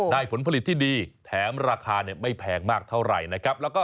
ผลผลิตที่ดีแถมราคาไม่แพงมากเท่าไหร่นะครับ